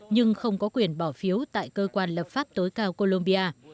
nhưng không có quyền bỏ phiếu tại cơ quan lập pháp tối cao colombia